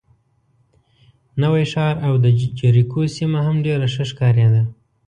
نوی ښار او د جریکو سیمه هم ډېره ښه ښکارېده.